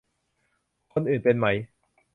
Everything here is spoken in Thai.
คนอื่นเป็นไหม